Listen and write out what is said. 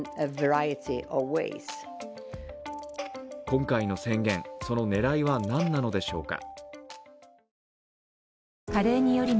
今回の宣言、その狙いは何なのでしょうか。